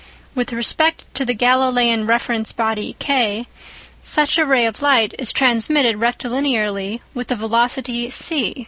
With respect to the Galileian reference body K, such a ray of light is transmitted rectilinearly with the velocity c.